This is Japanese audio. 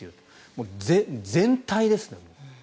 もう全体ですね。